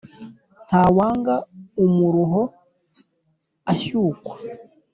Ntawanga umuruho ashyukwa.